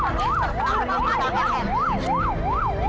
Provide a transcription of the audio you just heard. masukkan masukkan masukkan